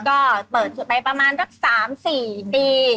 ก็เปิดไปประมาณทั้ง๓๔ปี